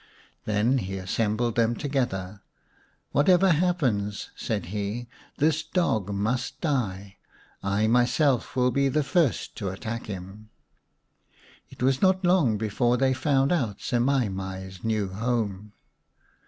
Then he assembled them together. " Whatever happens," said he, " this dog must die. I myself will be the first to attack him." It was not long before they found out Semai mai's new home.